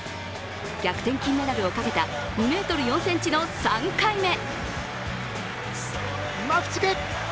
逆転金メダルをかけた、２ｍ４ｃｍの３回目。